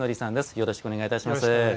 よろしくお願いします。